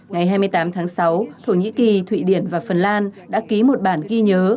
ngày hai mươi tám tháng sáu thổ nhĩ kỳ thụy điển và phần lan đã ký một bản ghi nhớ